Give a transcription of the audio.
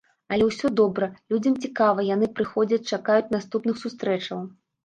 Але ўсё добра, людзям цікава, яны прыходзяць, чакаюць наступных сустрэчаў.